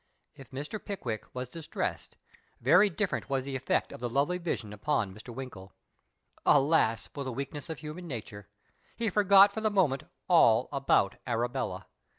If Mr. Pickwick was distressed, very different was the effect of the lovely vision upon Mr. Winkle. Alas for the weakness of human nature ! he forgot for the moment all about Arabella.